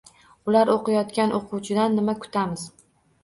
Ular o‘qitayotgan o‘quvchidan nima kutamiz?